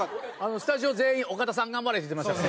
スタジオ全員「岡田さん頑張れ」って言ってましたから。